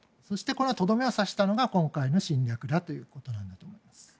そしてとどめを刺したのが今回の侵略ということなんだと思います。